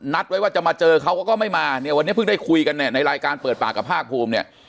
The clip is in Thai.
ไว้ว่าจะมาเจอเขาก็ไม่มาเนี่ยวันนี้เพิ่งได้คุยกันเนี่ยในรายการเปิดปากกับภาคภูมิเนี่ย